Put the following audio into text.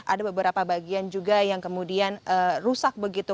ada beberapa bagian juga yang kemudian rusak begitu